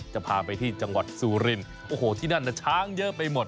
จะพาไปที่จังหวัดซูรินที่นั่นช้างเยอะไปหมด